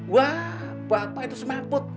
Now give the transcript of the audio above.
wah bapak itu semamput